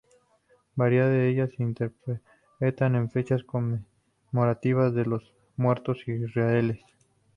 Varias de ellas se interpretan en fechas conmemorativas de los muertos israelíes.